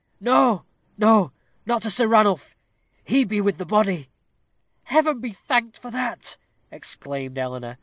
"Noa noa not to Sir Ranulph he be with the body." "Heaven be thanked for that!" exclaimed Eleanor.